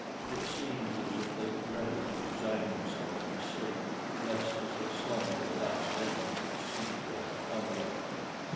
It seems as if they dreaded to resign themselves to sleep, lest as they slumber the last enemy should seize them unawares.